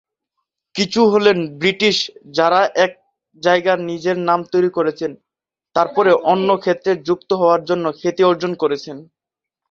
কিছু হলেন সেলিব্রিটি যারা এক জায়গায় নিজের নাম তৈরি করেছেন, তারপরে অন্য ক্ষেত্রে যুক্ত হওয়ার জন্য খ্যাতি অর্জন করেছেন।